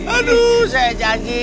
aduh saya janji